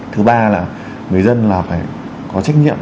thứ ba là người dân là phải có trách nhiệm